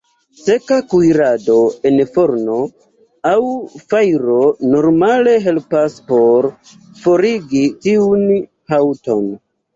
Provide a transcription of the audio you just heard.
Seka kuirado en forno aŭ fajro normale helpas por forigi tiun haŭton.